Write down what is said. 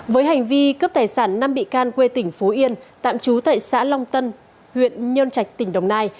với hành vi cướp tài sản năm bị can quê tỉnh phú yên tạm trú tại xã long tân huyện nhơn trạch tỉnh đồng nai